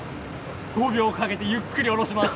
５秒かけてゆっくり下ろします。